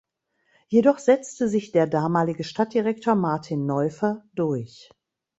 Jedoch setzte sich der damalige Stadtdirektor Martin Neuffer durch.